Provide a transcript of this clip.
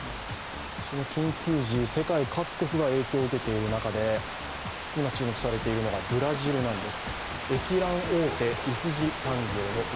その緊急時、世界各国が、影響を受けている中で今注目されているのがブラジルなんです。